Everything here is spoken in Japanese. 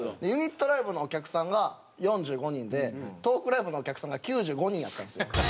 ユニットライブのお客さんが４５人でトークライブのお客さんが９５人やったんですよ。